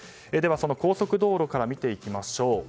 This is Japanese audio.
高速道路から見ていきましょう。